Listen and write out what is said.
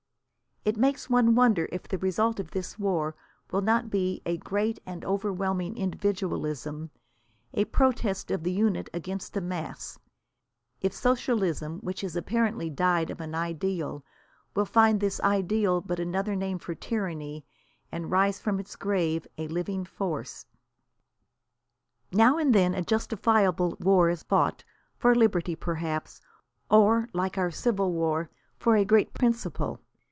It makes one wonder if the result of this war will not be a great and overwhelming individualism, a protest of the unit against the mass; if Socialism, which has apparently died of an ideal, will find this ideal but another name for tyranny, and rise from its grave a living force. Now and then a justifiable war is fought, for liberty perhaps, or like our Civil War, for a great principle.